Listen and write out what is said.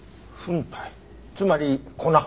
つまり粉？